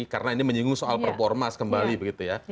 jadi menyinggung soal perpu ormas kembali begitu ya